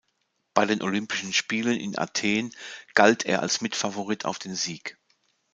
Bei den Olympischen Spielen in Athen galt er als Mitfavorit auf den Sieg.